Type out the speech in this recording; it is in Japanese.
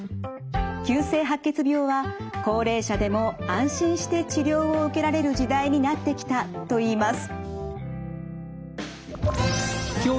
「急性白血病は高齢者でも安心して治療を受けられる時代になってきた」といいます。